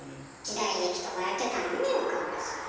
時代劇とかやってたのにね岡村さん。